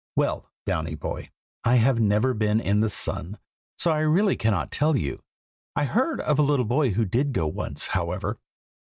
Well, Downy boy, I have never been in the sun, so I really cannot tell you. I heard of a little boy who did go once, however.